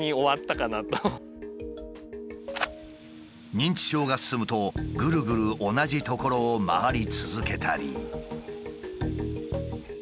認知症が進むとぐるぐる同じ所を回り続けたり。